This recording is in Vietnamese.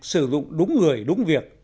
sử dụng đúng người đúng việc